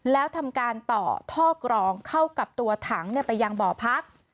แล้วทำการต่อท่อกรองเข้ากับตัวถังไปยังบ่อพัก